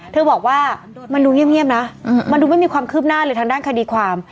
เธอบอกว่ามันดูเงียบนะมันดูไม่มีความคืบหน้าเลยทางด้านคดีความ